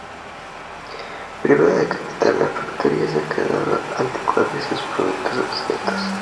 Privada de capital, la factoría se había quedado anticuada y sus productos obsoletos.